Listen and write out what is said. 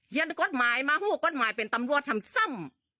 กฎหมายมาหู้กฎหมายเป็นตำรวจทำซ้ำ